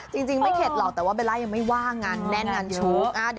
จริงไม่เข็ดหรอกแต่ว่าเบลล่ายังไม่ว่างงานแน่นงานชู้